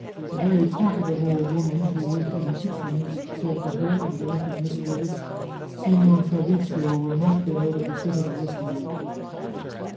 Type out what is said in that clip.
A very talkative old woman, who worked in the kitchens, said to her, with a look of mystery, " SigTior Fabrizio will not get out of the citadel this time."